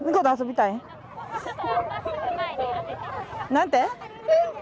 何て？